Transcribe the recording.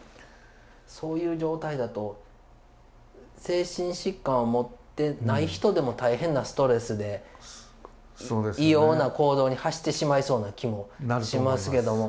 そういう状態だと精神疾患を持ってない人でも大変なストレスで異様な行動に走ってしまいそうな気もしますけども。